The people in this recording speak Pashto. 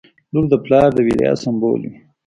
• لور د پلار د ویاړ سمبول وي.